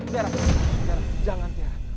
tiara tiara jangan tiara